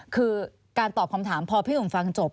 คือการตอบคำถามพอพี่หนุ่มฟังจบ